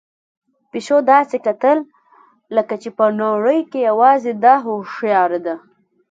پيشو داسې کتل لکه چې په نړۍ کې یوازې ده هوښیار ده.